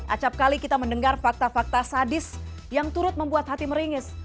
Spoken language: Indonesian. acapkali kita mendengar fakta fakta sadis yang turut membuat hati meringis